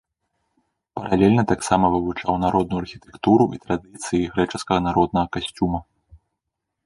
Паралельна таксама вывучаў народную архітэктуру і традыцыі грэчаскага народнага касцюма.